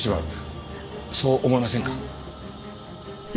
そう思いませんか？